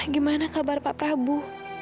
gimana kabar pak prabu